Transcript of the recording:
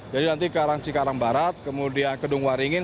jadi nanti ke cekarang barat kemudian ke dungu waringin